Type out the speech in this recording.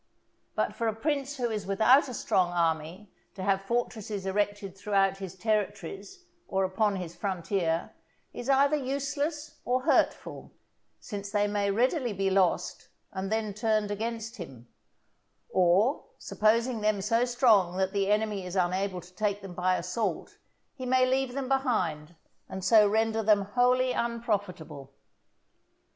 But for a prince who is without a strong army to have fortresses erected throughout his territories, or upon his frontier, is either useless or hurtful, since they may readily be lost and then turned against him; or, supposing them so strong that the enemy is unable to take them by assault, he may leave them behind, and so render them wholly unprofitable.